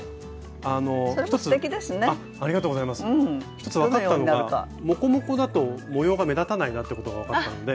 ひとつ分かったのがモコモコだと模様が目立たないなってことが分かったんで。